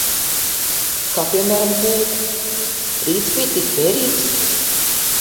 Kā piemēram, kūku. Rīts bij tik mierīgs.